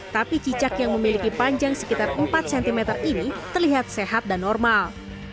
tapi cicak yang memiliki panjang sekitar empat cm ini terlihat sehat dan normal